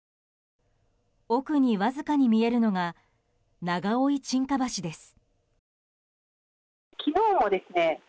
奥にわずかに見えるのが長生沈下橋です。